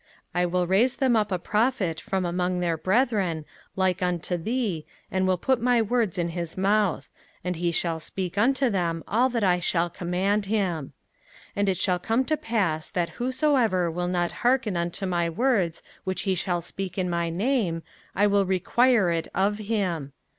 05:018:018 I will raise them up a Prophet from among their brethren, like unto thee, and will put my words in his mouth; and he shall speak unto them all that I shall command him. 05:018:019 And it shall come to pass, that whosoever will not hearken unto my words which he shall speak in my name, I will require it of him.